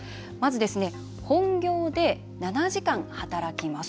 まず、本業で７時間、働きます。